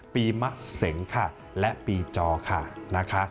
มะเสงค่ะและปีจอค่ะนะคะ